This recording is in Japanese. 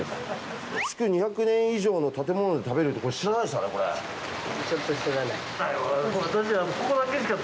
「築２００年以上の建物で食べる」って知らないですか？